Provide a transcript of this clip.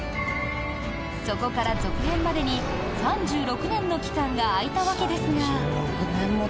そこから続編までに３６年の期間が空いたわけですが。